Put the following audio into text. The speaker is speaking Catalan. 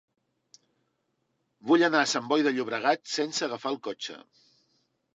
Vull anar a Sant Boi de Llobregat sense agafar el cotxe.